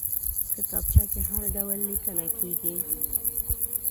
کتابچه کې هر ډول لیکنه کېږي